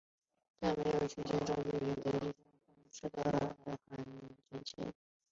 但没有确切证据显示这些腔室内含盐腺。